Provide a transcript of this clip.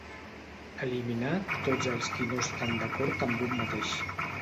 Eliminar tots els qui no estan d'acord amb un mateix